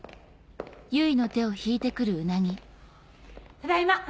ただいま！